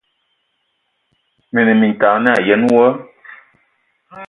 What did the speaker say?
Mə anə mintag yi ayen wɔ!